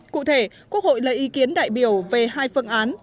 cụ thể quốc hội lấy ý kiến đại biểu về hai phương án